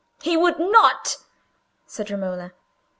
"He would not!" said Romola.